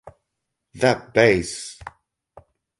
That bass!